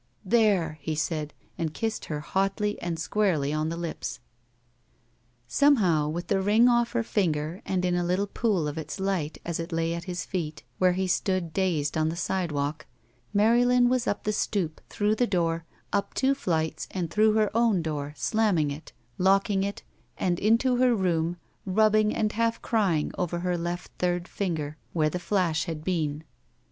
"There!" he said, and kissed her hotly and squarely on the lips. Somdiow, with the ring off her finger and in a little pool of its light as it lay at his feet, where he stood dazed on the sidewalk, Marylin was up the stoop, through the door, up two flights, and through her own door, slamming it, locking it, and into her room, rubbing and half crying over her left third finger where the flash had been.